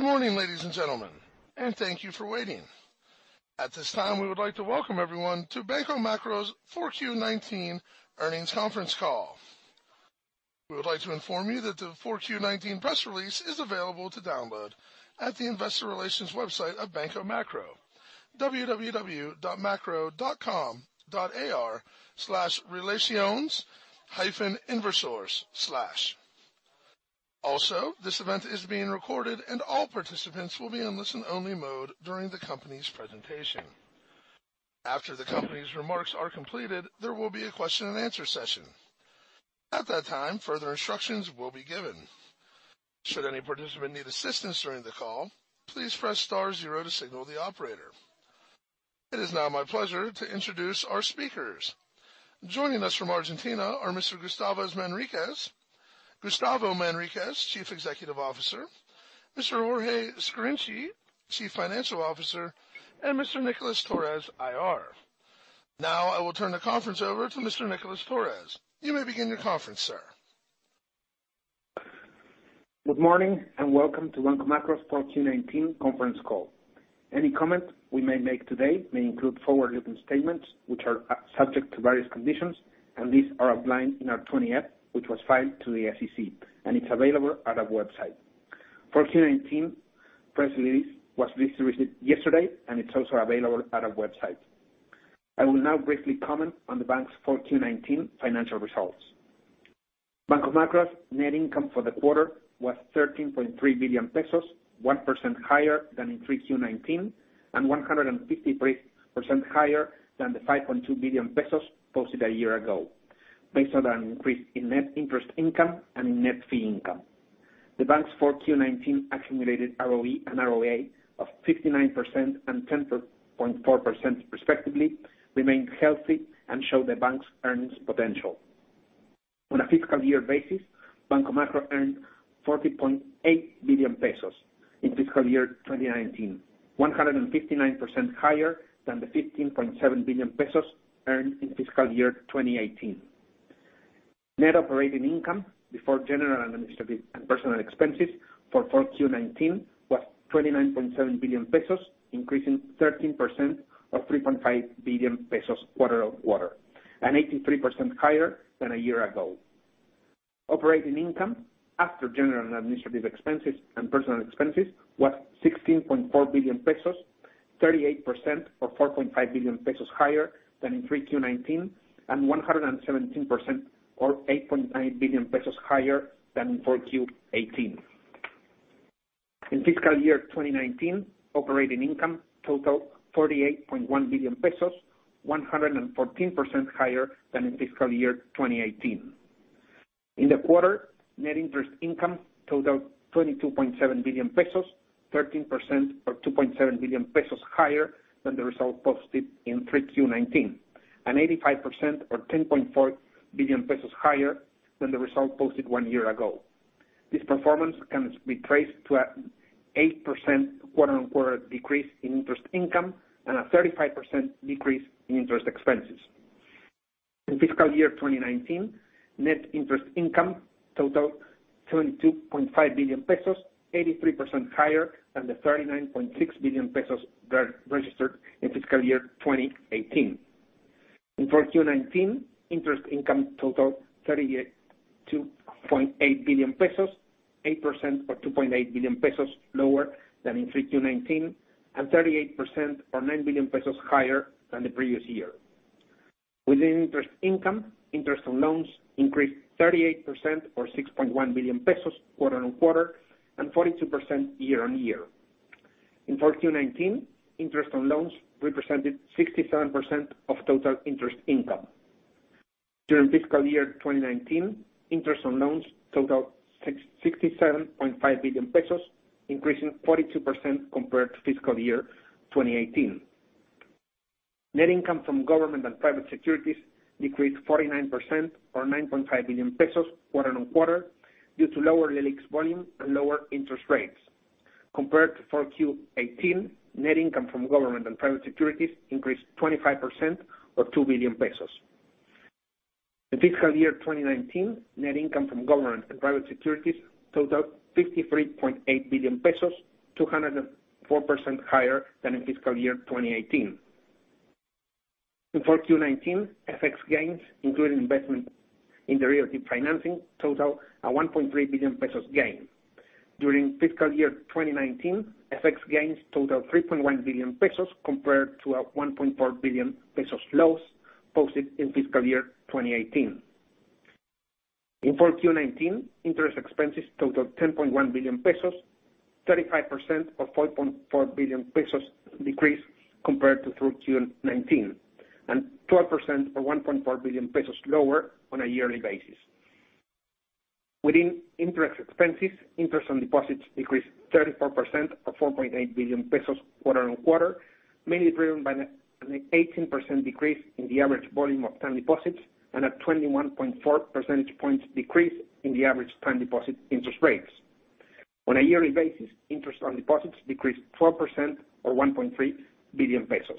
Good morning, ladies and gentlemen, and thank you for waiting. At this time, we would like to welcome everyone to Banco Macro's 4Q 2019 earnings conference call. We would like to inform you that the 4Q 2019 press release is available to download at the investor relations website of Banco Macro, www.macro.com.ar/relaciones-inversores/. Also, this event is being recorded, and all participants will be in listen-only mode during the company's presentation. After the company's remarks are completed, there will be a question and answer session. At that time, further instructions will be given. Should any participant need assistance during the call, please press star zero to signal the operator. It is now my pleasure to introduce our speakers. Joining us from Argentina are Mr. Gustavo Manriquez, Gustavo Manriquez, Chief Executive Officer, Mr. Jorge Scarinci, Chief Financial Officer, and Mr. Nicolás Torres, IR. Now I will turn the conference over to Mr. Nicolás Torres. You may begin your conference, sir. Good morning and welcome to Banco Macro's 4Q 2019 conference call. Any comment we may make today may include forward-looking statements, which are subject to various conditions, and these are outlined in our 20-F, which was filed to the SEC and it's available at our website. 4Q 2019 press release was distributed yesterday and it's also available at our website. I will now briefly comment on the bank's 4Q 2019 financial results. Banco Macro's net income for the quarter was 13.3 billion pesos, 1% higher than in 3Q 2019 and 153% higher than the 5.2 billion pesos posted a year ago based on an increase in net interest income and in net fee income. The bank's 4Q 2019 accumulated ROE and ROA of 59% and 10.4% respectively remain healthy and show the bank's earnings potential. On a fiscal year basis, Banco Macro earned 40.8 billion pesos in fiscal year 2019, 159% higher than the 15.7 billion pesos earned in fiscal year 2018. Net operating income before general and administrative and personal expenses for 4Q 2019 was 29.7 billion pesos, increasing 13% or 3.5 billion pesos quarter-over-quarter, and 83% higher than a year ago. Operating income after general and administrative expenses and personal expenses was 16.4 billion pesos, 38% or 4.5 billion pesos higher than in 3Q 2019 and 117% or 8.9 billion pesos higher than in 4Q18. In fiscal year 2019, operating income totaled 48.1 billion pesos, 114% higher than in fiscal year 2018. In the quarter, net interest income totaled 22.7 billion pesos, 13% or 2.7 billion pesos higher than the result posted in 3Q 2019, and 85% or 10.4 billion pesos higher than the result posted one year ago. This performance can be traced to an 8% quarter-on-quarter decrease in interest income and a 35% decrease in interest expenses. In fiscal year 2019, net interest income totaled 22.5 billion pesos, 83% higher than the 39.6 billion pesos registered in fiscal year 2018. In 4Q 2019, interest income totaled 32.8 billion pesos, 8% or 2.8 billion pesos lower than in 3Q 2019 and 38% or 9 billion pesos higher than the previous year. Within interest income, interest on loans increased 38% or 6.1 billion pesos quarter-on-quarter and 42% year-on-year. In 4Q 2019, interest on loans represented 67% of total interest income. During fiscal year 2019, interest on loans totaled 67.5 billion pesos, increasing 42% compared to fiscal year 2018. Net income from government and private securities decreased 49%, or 9.5 billion pesos quarter-on-quarter due to lower LELIQs volume and lower interest rates. Compared to 4Q 2018, net income from government and private securities increased 25%, or 2 billion pesos. In fiscal year 2019, net income from government and private securities totaled 53.8 billion pesos, 204% higher than in fiscal year 2018. In 4Q 2019, FX gains including investment in the repo financing totaled a 1.3 billion pesos gain. During fiscal year 2019, FX gains totaled 3.1 billion pesos compared to a 1.4 billion pesos loss posted in fiscal year 2018. In 4Q 2019, interest expenses totaled 10.1 billion pesos, 35% or 4.4 billion pesos decrease compared to 4Q 2019, and 12% or 1.4 billion pesos lower on a yearly basis. Within interest expenses, interest on deposits decreased 34%, or 4.8 billion pesos quarter-on-quarter, mainly driven by an 18% decrease in the average volume of term deposits and a 21.4 percentage points decrease in the average term deposit interest rates. On a yearly basis, interest on deposits decreased 12%, or 1.3 billion pesos.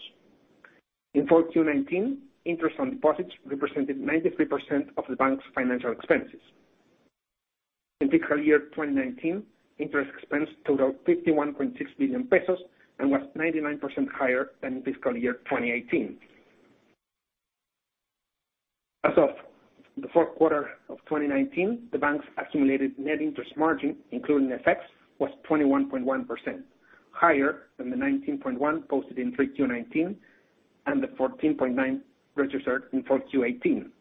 In 4Q 2019, interest on deposits represented 93% of the bank's financial expenses. In fiscal year 2019, interest expense totaled 51.6 billion pesos and was 99% higher than fiscal year 2018. As of the fourth quarter of 2019, the bank's accumulated net interest margin, including FX, was 21.1%, higher than the 19.1% posted in 3Q 2019 and the 14.9% registered in 4Q 2018.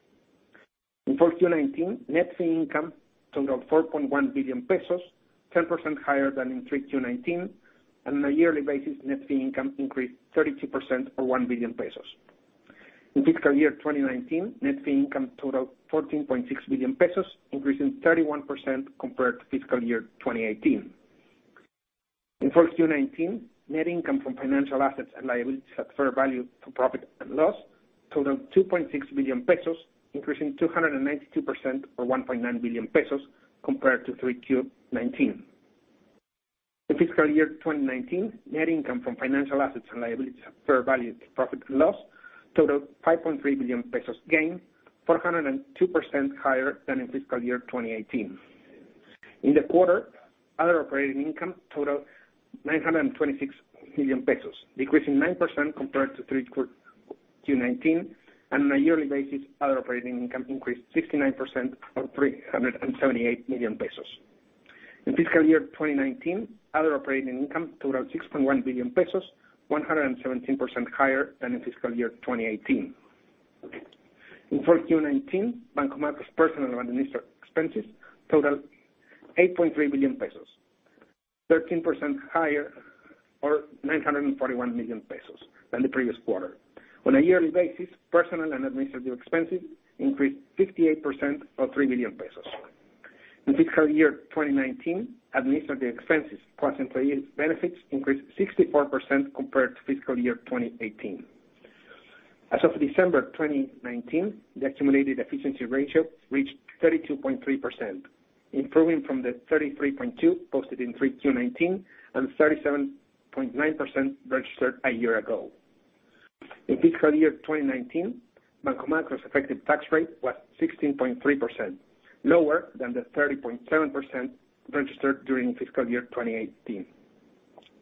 In 4Q 2019, net fee income totaled 4.1 billion pesos, 10% higher than in 3Q 2019. On a yearly basis, net fee income increased 32% or 1 billion pesos. In fiscal year 2019, net fee income totaled 14.6 billion pesos, increasing 31% compared to fiscal year 2018. In 4Q 2019, net income from financial assets and liabilities at fair value to profit and loss totaled 2.6 billion pesos, increasing 292% or 1.9 billion pesos compared to 3Q 2019. In fiscal year 2019, net income from financial assets and liabilities at fair value to profit and loss totaled 5.3 billion pesos gain, 402% higher than in fiscal year 2018. In the quarter, other operating income totaled 926 million pesos, decreasing 9% compared to 3Q 2019. On a yearly basis, other operating income increased 69% or 378 million pesos. In fiscal year 2019, other operating income totaled 6.1 billion pesos, 117% higher than in fiscal year 2018. In 4Q 2019, Banco Macro's personal and administrative expenses totaled 8.3 billion pesos, 13% higher or 941 million pesos than the previous quarter. On a yearly basis, personal and administrative expenses increased 58% or 3 billion pesos. In fiscal year 2019, administrative expenses plus employee benefits increased 64% compared to fiscal year 2018. As of December 2019, the accumulated efficiency ratio reached 32.3%, improving from the 33.2% posted in 3Q 2019 and 37.9% registered a year ago. In fiscal year 2019, Banco Macro's effective tax rate was 16.3%, lower than the 30.7% registered during fiscal year 2018.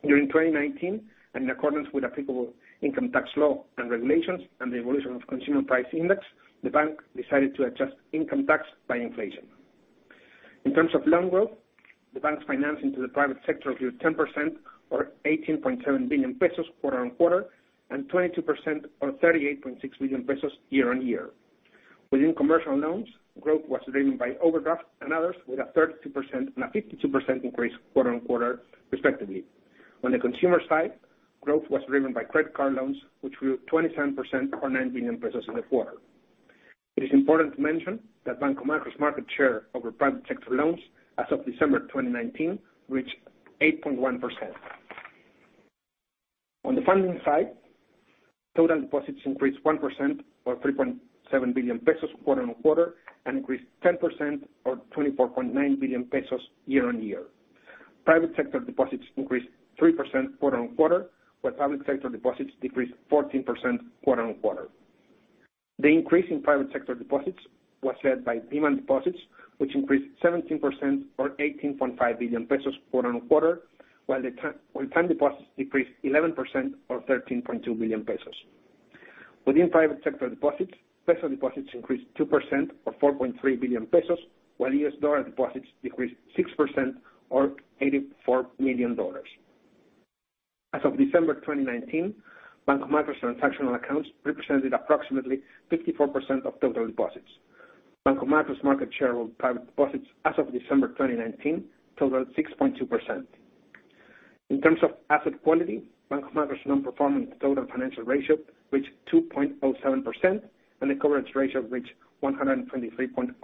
During 2019, in accordance with applicable income tax law and regulations and the evolution of consumer price index, the bank decided to adjust income tax by inflation. In terms of loan growth, the bank's financing to the private sector grew 10% or 18.7 billion pesos quarter-on-quarter, 22% or 38.6 billion pesos year-on-year. Within commercial loans, growth was driven by overdraft and others with a 32% and a 52% increase quarter-on-quarter, respectively. On the consumer side, growth was driven by credit card loans, which were 27% or 9 billion pesos in the quarter. It is important to mention that Banco Macro's market share over private sector loans as of December 2019 reached 8.1%. On the funding side, total deposits increased 1% or 3.7 billion pesos quarter-on-quarter and increased 10% or 24.9 billion pesos year-on-year. Private sector deposits increased 3% quarter-on-quarter, while public sector deposits decreased 14% quarter-on-quarter. The increase in private sector deposits was led by demand deposits, which increased 17% or 18.5 billion pesos quarter-on-quarter, while time deposits decreased 11% or 13.2 billion pesos. Within private sector deposits, peso deposits increased 2% or 4.3 billion pesos, while US dollar deposits decreased 6% or $84 million. As of December 2019, Banco Macro's transactional accounts represented approximately 54% of total deposits. Banco Macro's market share of private deposits as of December 2019 totaled 6.2%. In terms of asset quality, Banco Macro's non-performing total financial ratio reached 2.07%, and the coverage ratio reached 123.08%.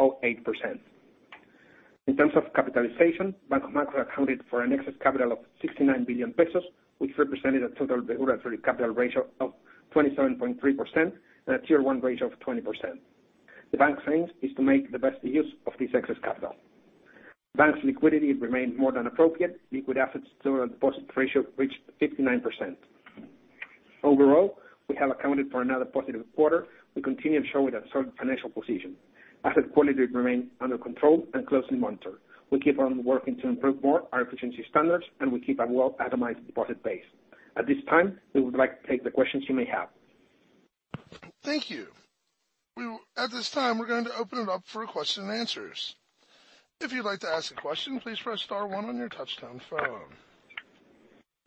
In terms of capitalization, Banco Macro accounted for an excess capital of 69 billion pesos, which represented a total regulatory capital ratio of 27.3% and a Tier 1 ratio of 20%. The bank's aim is to make the best use of this excess capital. The bank's liquidity remained more than appropriate. Liquid assets to deposit ratio reached 59%. Overall, we have accounted for another positive quarter. We continue to show a solid financial position. Asset quality remains under control and closely monitored. We keep on working to improve more our efficiency standards, and we keep a well-atomized deposit base. At this time, we would like to take the questions you may have. Thank you. At this time, we're going to open it up for questions and answers. If you'd like to ask a question, please press star one on your touchtone phone.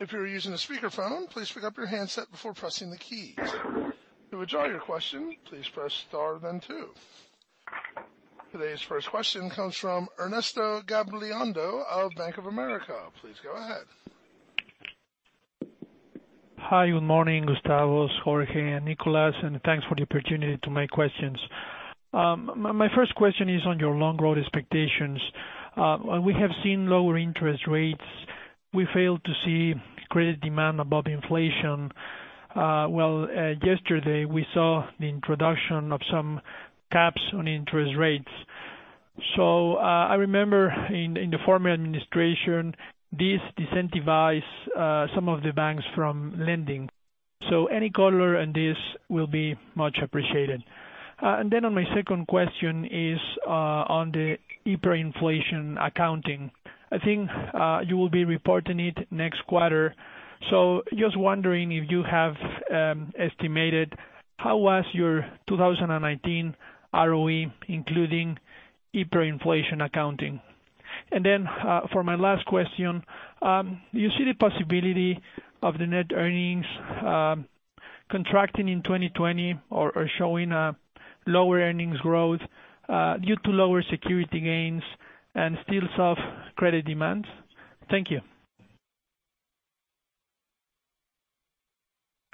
If you are using a speakerphone, please pick up your handset before pressing the keys. To withdraw your question, please press star then two. Today's first question comes from Ernesto Gabilondo of Bank of America. Please go ahead. Hi, good morning, Gustavo, Jorge, and Nicolás, thanks for the opportunity to my questions. My first question is on your long road expectations. We have seen lower interest rates. We failed to see credit demand above inflation. Well, yesterday we saw the introduction of some caps on interest rates. I remember in the former administration, this disincentivized some of the banks from lending. Any color on this will be much appreciated. On my second question is on the hyperinflation accounting. I think you will be reporting it next quarter. Just wondering if you have estimated how was your 2019 ROE, including hyperinflation accounting? For my last question, do you see the possibility of the net earnings contracting in 2020 or showing a lower earnings growth due to lower security gains and still soft credit demands? Thank you.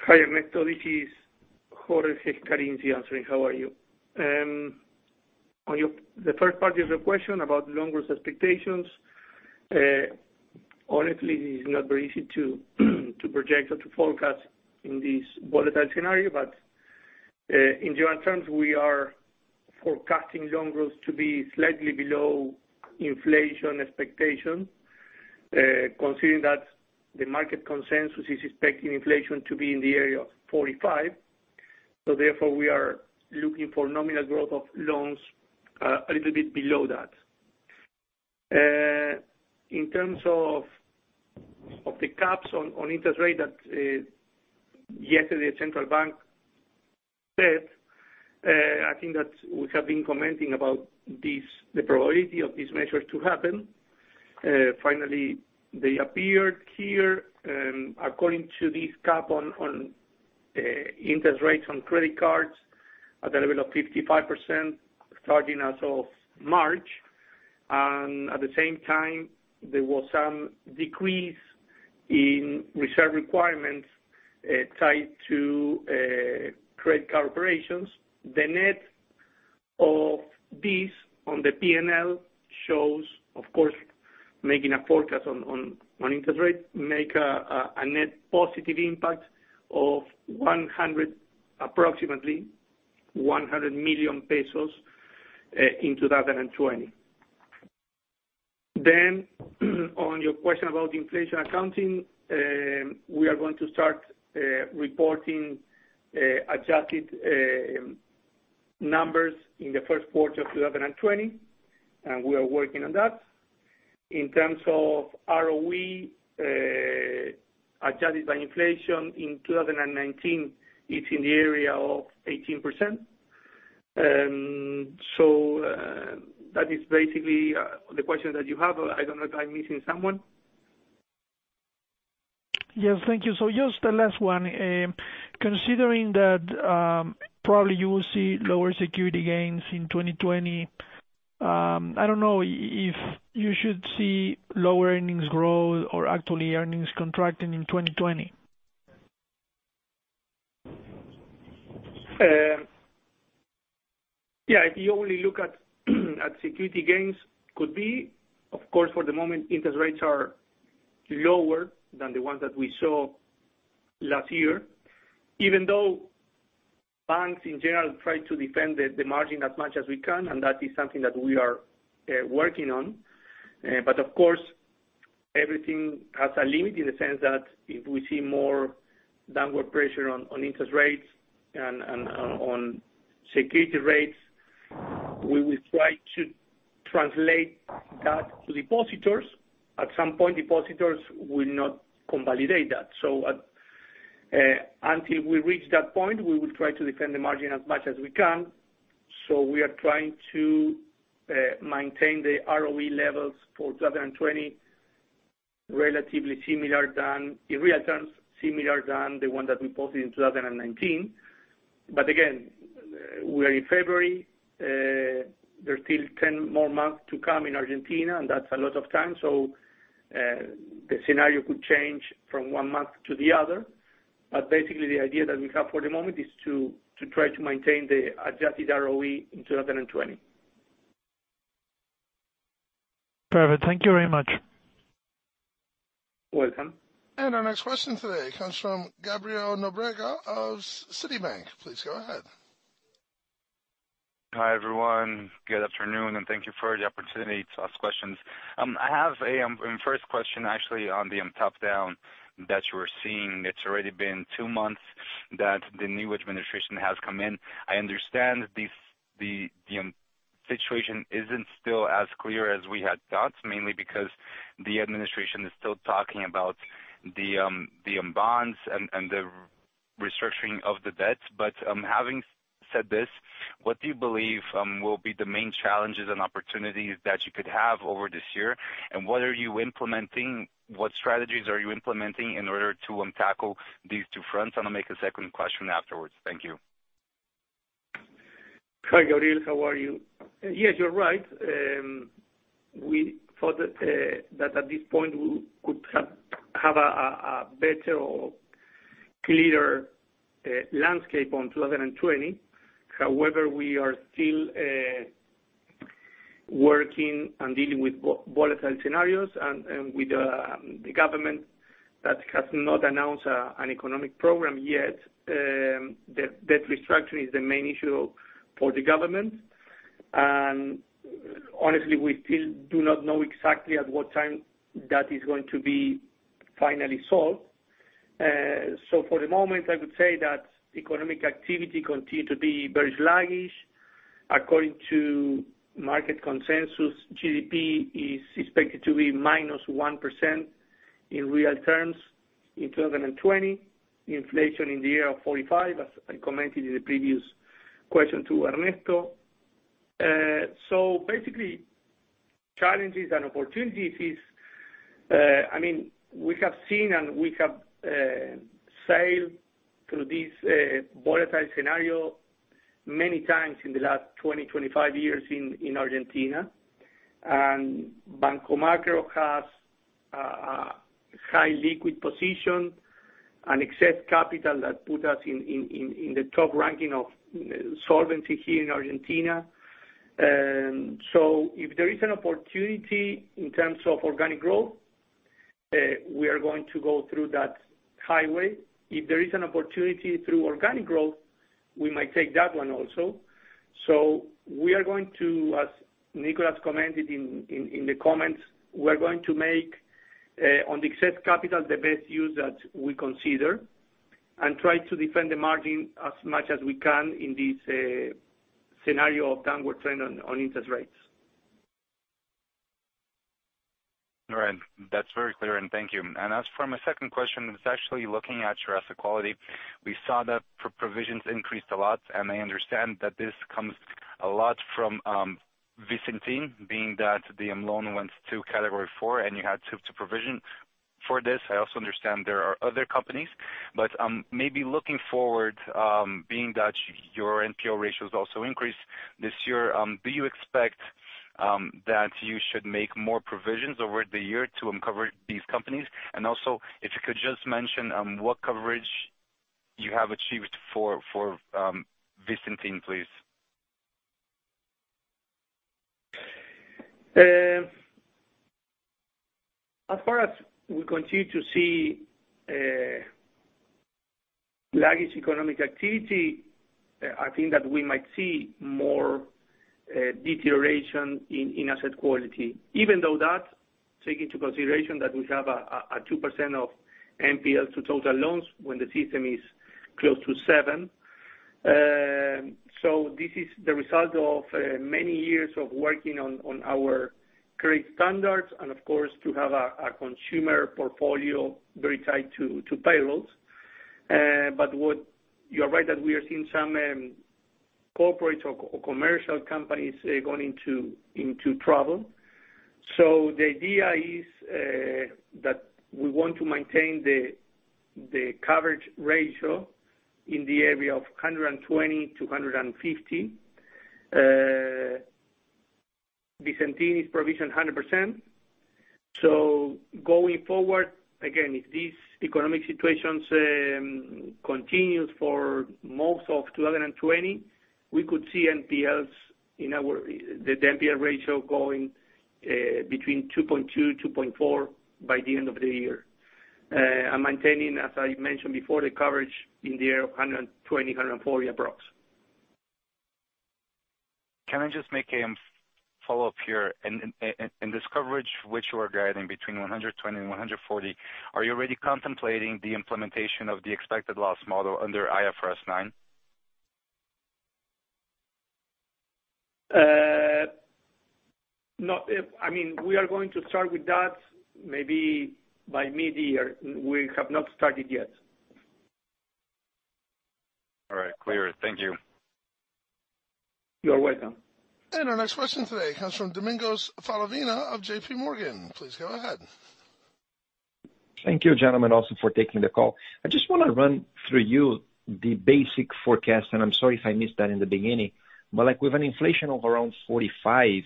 Hi, Ernesto. This is Jorge Scarinci answering. How are you? On the first part of your question about loan growth expectations, honestly, it is not very easy to project or to forecast in this volatile scenario. In general terms, we are forecasting loan growth to be slightly below inflation expectations, considering that the market consensus is expecting inflation to be in the area of 45%. Therefore, we are looking for nominal growth of loans a little bit below that. In terms of the caps on interest rate that yesterday Central Bank said, I think that we have been commenting about the probability of these measures to happen. Finally, they appeared here, according to this cap on interest rates on credit cards at the level of 55%, starting as of March. At the same time, there was some decrease in reserve requirements tied to credit card operations. The net of this on the P&L shows, of course, making a forecast on interest rate, make a net positive impact of approximately ARS 100 million in 2020. On your question about inflation accounting, we are going to start reporting adjusted numbers in the first quarter of 2020, and we are working on that. In terms of ROE, adjusted by inflation in 2019, it's in the area of 18%. That is basically the question that you have. I don't know if I'm missing someone. Yes. Thank you. Just the last one. Considering that probably you will see lower security gains in 2020, I don't know if you should see lower earnings growth or actually earnings contracting in 2020. Yeah, if you only look at security gains, could be. Of course, for the moment, interest rates are lower than the ones that we saw last year, even though banks in general try to defend the margin as much as we can, and that is something that we are working on. Of course, everything has a limit in the sense that if we see more downward pressure on interest rates and on security rates, we will try to translate that to depositors. At some point, depositors will not validate that. Until we reach that point, we will try to defend the margin as much as we can. We are trying to maintain the ROE levels for 2020 relatively similar than, in real terms, similar than the one that we posted in 2019. Again, we are in February. There are still 10 more months to come in Argentina, and that's a lot of time. The scenario could change from one month to the other. Basically, the idea that we have for the moment is to try to maintain the adjusted ROE in 2020. Perfect. Thank you very much. Welcome. Our next question today comes from Gabriel Nóbrega of Citibank. Please go ahead. Hi, everyone. Good afternoon, and thank you for the opportunity to ask questions. I have a first question, actually, on the top-down that you are seeing. It's already been two months that the new administration has come in. I understand the situation isn't still as clear as we had thought, mainly because the administration is still talking about the bonds and the restructuring of the debts. Having said this, what do you believe will be the main challenges and opportunities that you could have over this year? What strategies are you implementing in order to tackle these two fronts? I'll make a second question afterwards. Thank you. Hi, Gabriel. How are you? Yes, you're right. We thought that at this point, we could have a better or clearer landscape on 2020. However, we are still working and dealing with volatile scenarios and with the government that has not announced an economic program yet. The debt restructuring is the main issue for the government. Honestly, we still do not know exactly at what time that is going to be finally solved. For the moment, I would say that economic activity continue to be very sluggish. According to market consensus, GDP is expected to be -1% in real terms in 2020. Inflation in the year of 45%, as I commented in the previous question to Ernesto. Basically, challenges and opportunities. We have seen and we have sailed through this volatile scenario many times in the last 20, 25 years in Argentina. Banco Macro has a high liquid position and excess capital that put us in the top ranking of solvency here in Argentina. If there is an opportunity in terms of organic growth, we are going to go through that highway. If there is an opportunity through organic growth, we might take that one also. We are going to, as Nicolás commented in the comments, we're going to make, on the excess capital, the best use that we consider, and try to defend the margin as much as we can in this scenario of downward trend on interest rates. All right. That's very clear, and thank you. As for my second question, I was actually looking at your asset quality. We saw that provisions increased a lot, and I understand that this comes a lot from Vicentin, being that the loan went to category 4 and you had to provision for this. I also understand there are other companies. Maybe looking forward, being that your NPL ratios also increased this year, do you expect that you should make more provisions over the year to cover these companies? Also, if you could just mention what coverage you have achieved for Vicentin, please. As far as we continue to see sluggish economic activity, I think that we might see more deterioration in asset quality. Even though that, take into consideration that we have a 2% of NPLs to total loans when the system is close to 7%. This is the result of many years of working on our credit standards and, of course, to have a consumer portfolio very tied to payrolls. You are right that we are seeing some corporates or commercial companies going into trouble. The idea is that we want to maintain the coverage ratio in the area of 120 to 150. Vicentin is provisioned 100%. Going forward, again, if this economic situations continues for most of 2020, we could see NPLs, the NPL ratio going between 2.2%-2.4% by the end of the year. Maintaining, as I mentioned before, the coverage in the year 120, 140 approx. Can I just make a follow-up here? In this coverage, which you are guiding between 120 and 140, are you already contemplating the implementation of the expected loss model under IFRS 9? We are going to start with that maybe by mid-year. We have not started yet. All right. Clear. Thank you. You are welcome. Our next question today comes from Domingos Falavina of JPMorgan. Please go ahead. Thank you, gentlemen, also for taking the call. I just want to run through you the basic forecast, and I'm sorry if I missed that in the beginning. With an inflation of around 45%,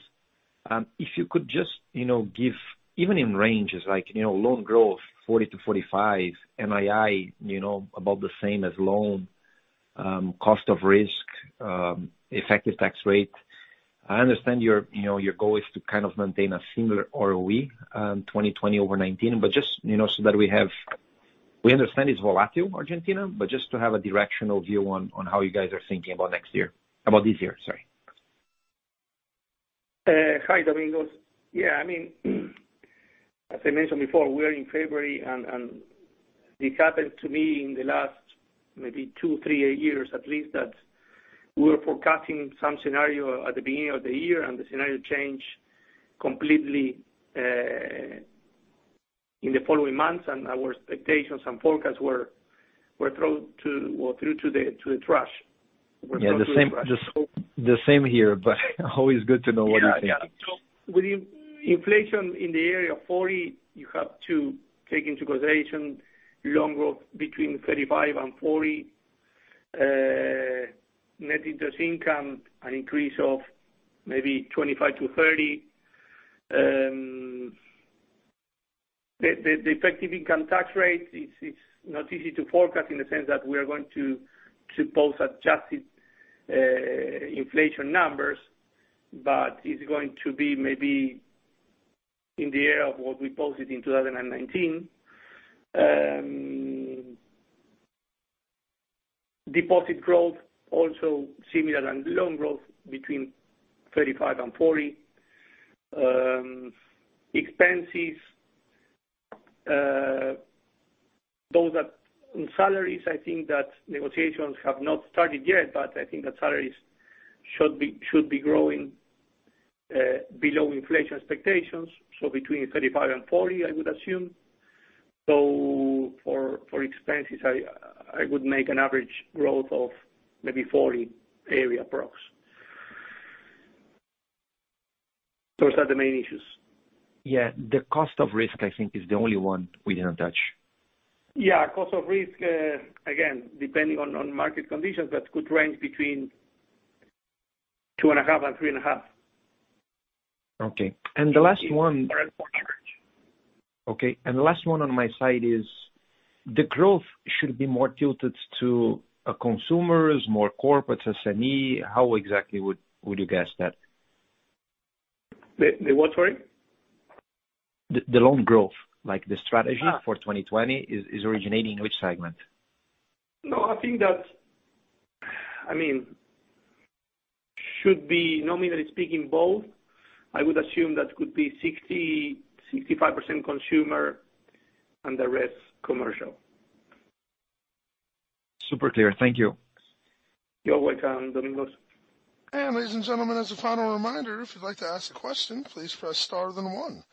if you could just give, even in ranges, like loan growth 40%-45%, NII about the same as loan, cost of risk, effective tax rate. I understand your goal is to kind of maintain a similar ROE 2020 over 2019. We understand it's volatile, Argentina, but just to have a directional view on how you guys are thinking about this year. Hi, Domingos. Yeah, as I mentioned before, we are in February, and this happened to me in the last maybe two, three years at least, that we were forecasting some scenario at the beginning of the year, and the scenario changed completely in the following months, and our expectations and forecasts were thrown to the trash. Yeah. The same here, but always good to know what you're thinking. Yeah. With inflation in the area of 40%, you have to take into consideration loan growth between 35% and 40%. Net interest income, an increase of maybe 25% to 30%. The effective income tax rate, it's not easy to forecast in the sense that we are going to post adjusted inflation numbers. It's going to be maybe in the area of what we posted in 2019. Deposit growth, also similar, and loan growth between 35% and 40%. Expenses, both on salaries, I think that negotiations have not started yet, but I think that salaries should be growing below inflation expectations, so between 35% and 40%, I would assume. For expenses, I would make an average growth of maybe 40% area approx. Those are the main issues. Yeah. The cost of risk, I think, is the only one we didn't touch. Yeah. Cost of risk, again, depending on market conditions, that could range between 2.5% and 3.5%. Okay. The last one. More or less, more average. Okay. The last one on my side is, the growth should be more tilted to consumers, more corporates, SME. How exactly would you guess that? The what, sorry? The loan growth, like the strategy for 2020, is originating which segment? No, I think that should be, nominally speaking, both. I would assume that could be 60%-65% consumer and the rest commercial. Super clear. Thank you. You're welcome, Domingos. Ladies and gentlemen, as a final reminder, if you'd like to ask a question, please press star then one.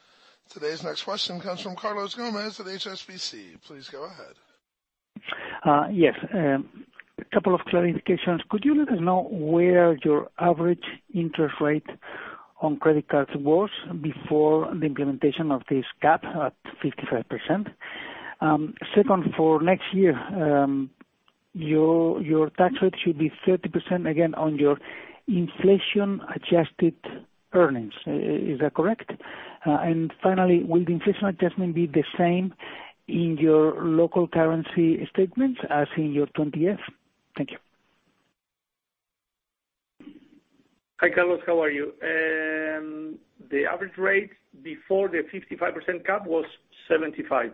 Today's next question comes from Carlos Gomez-Lopez at HSBC. Please go ahead. Yes. A couple of clarifications. Could you let us know where your average interest rate on credit cards was before the implementation of this cap at 55%? Second, for next year, your tax rate should be 30% again on your inflation-adjusted earnings. Is that correct? Finally, will the inflation adjustment be the same in your local currency statements as in your 20-F? Thank you. Hi, Carlos. How are you? The average rate before the 55% cap was 75%.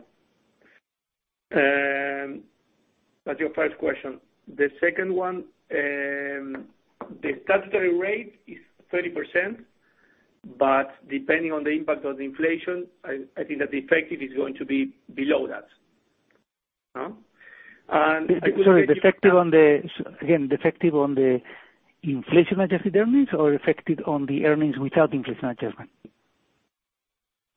That's your first question. The second one, the [statutory] rate is 30%, but depending on the impact of the inflation, I think that the effective is going to be below that. Sorry, effective on the inflation-adjusted earnings or effective on the earnings without inflation adjustment?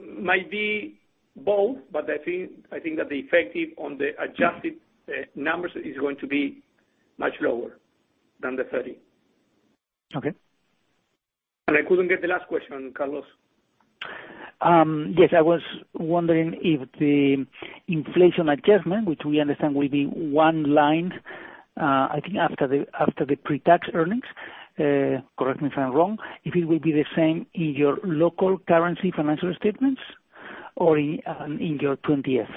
Might be both, but I think that the effect on the adjusted numbers is going to be much lower than the 30%. Okay. I couldn't get the last question, Carlos. Yes, I was wondering if the inflation adjustment, which we understand will be one line, I think after the pre-tax earnings, correct me if I'm wrong, if it will be the same in your local currency financial statements or in your 20-F?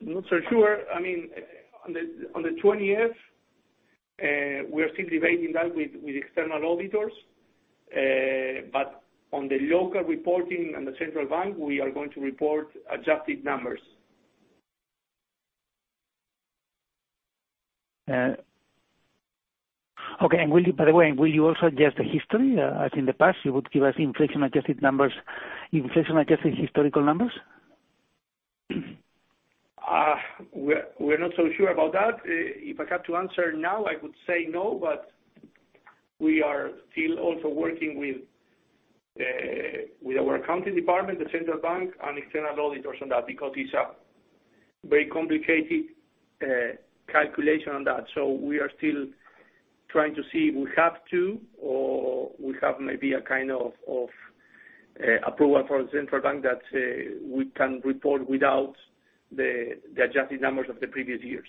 Not so sure. On the 20-F, we are still debating that with external auditors. On the local reporting and the central bank, we are going to report adjusted numbers. Okay. By the way, will you also adjust the history, as in the past, you would give us inflation-adjusted historical numbers? We're not so sure about that. If I have to answer now, I would say no, but we are still also working with our accounting department, the Central Bank, and external auditors on that, because it's a very complicated calculation on that. We are still trying to see if we have to, or we have maybe a kind of approval from Central Bank that we can report without the adjusted numbers of the previous years.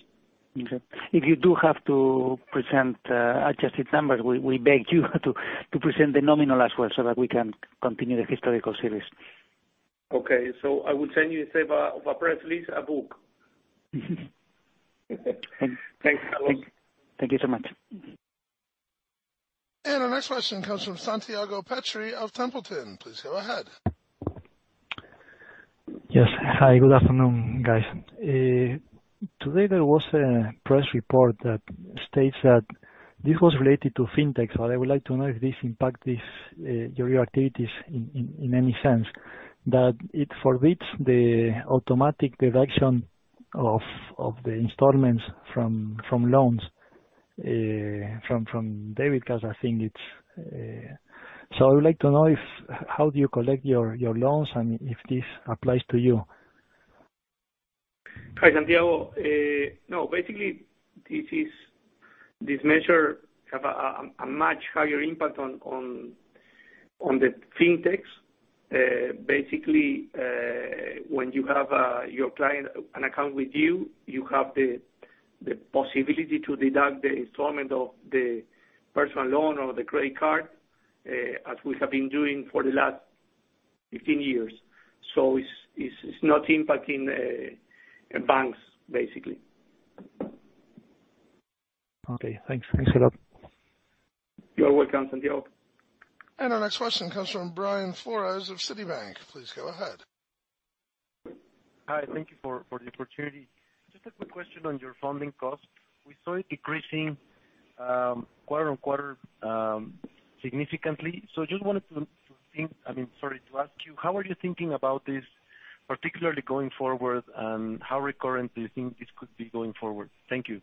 Okay. If you do have to present adjusted numbers, we beg you to present the nominal as well so that we can continue the historical series. Okay. I would send you instead of a press release, a book. Thanks, Carlos. Thank you so much. Our next question comes from Santiago Petri of Templeton. Please go ahead. Yes. Hi, good afternoon, guys. Today, there was a press report that states that this was related to fintech. I would like to know if this impact your activities in any sense, that it forbids the automatic deduction of the installments from loans, from debit cards, I think it is. I would like to know how do you collect your loans, and if this applies to you. Hi, Santiago. No, basically this measure have a much higher impact on the fintechs. Basically, when you have your client, an account with you have the possibility to deduct the installment of the personal loan or the credit card, as we have been doing for the last 15 years. It's not impacting banks, basically. Okay, thanks. Thanks a lot. You're welcome, Santiago. Our next question comes from Brian Flores of Citibank. Please go ahead. Hi. Thank you for the opportunity. Just a quick question on your funding cost. We saw it decreasing quarter-on-quarter significantly. Just wanted to think, I mean, sorry to ask you, how are you thinking about this particularly going forward, and how recurrent do you think this could be going forward? Thank you.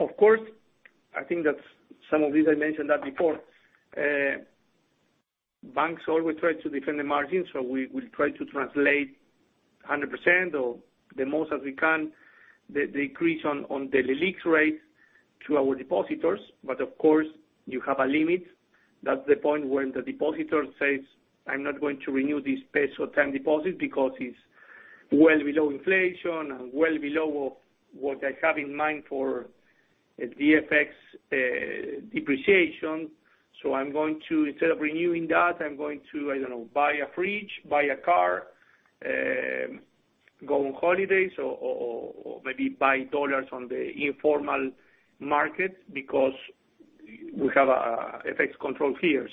Of course, I think that some of this I mentioned that before. Banks always try to defend the margins, so we will try to translate 100% or the most as we can, the decrease on the Leliqs rate to our depositors. Of course, you have a limit. That's the point when the depositor says, I'm not going to renew this peso term deposit because it's well below inflation and well below of what I have in mind for the FX depreciation. I'm going to, instead of renewing that, I'm going to, I don't know, buy a fridge, buy a car, go on holidays or maybe buy dollars on the informal market because we have FX control here.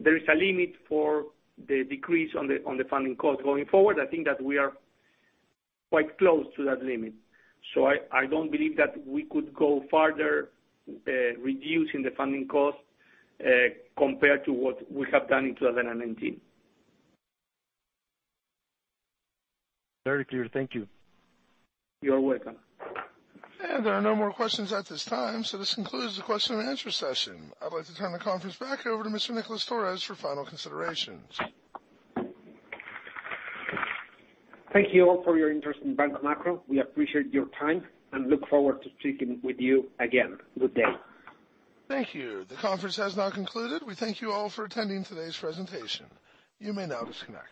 There is a limit for the decrease on the funding cost going forward. I think that we are quite close to that limit. I don't believe that we could go further, reducing the funding cost, compared to what we have done in 2019. Very clear. Thank you. You're welcome. There are no more questions at this time. This concludes the question and answer session. I'd like to turn the conference back over to Mr. Nicolás Torres for final considerations. Thank you all for your interest in Banco Macro. We appreciate your time and look forward to speaking with you again. Good day. Thank you. The conference has now concluded. We thank you all for attending today's presentation. You may now disconnect.